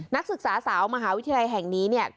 นักศึกษาสาวมหาวิทยาลัยแห่งนี้เนี่ย